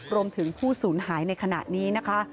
รวมถึงผู้สูญหายในขณะนี้นะคะ